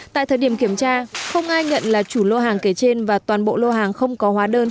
tại thời điểm kiểm tra không ai nhận là chủ lô hàng kể trên và toàn bộ lô hàng không có hóa đơn